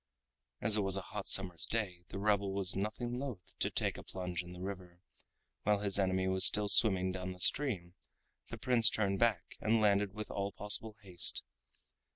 As it was a hot summer's day, the rebel was nothing loath to take a plunge in the river, while his enemy was still swimming down the stream the Prince turned back and landed with all possible haste.